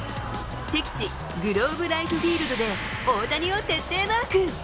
敵地、グローブライフ・フィールドで大谷を徹底マーク。